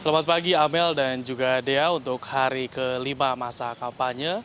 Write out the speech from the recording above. selamat pagi amel dan juga dea untuk hari kelima masa kampanye